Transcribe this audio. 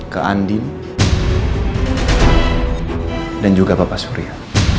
ke andi dan juga papa surya